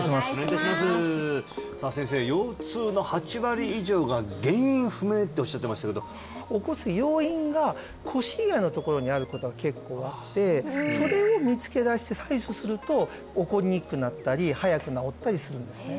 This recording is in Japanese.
腰痛の８割以上が原因不明っておっしゃってましたけど起こす要因が腰以外のところにあることが結構あってそれを見つけ出して対処すると起こりにくくなったり早く治ったりするんですね